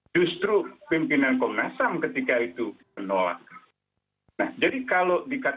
justru pimpinan komnas ham ketika itu menolak